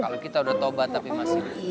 kalau kita udah taubat tapi masih